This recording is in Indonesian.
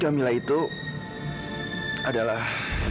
kamilah itu adalah